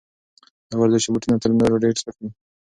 دا ورزشي بوټونه تر نورو ډېر سپک دي.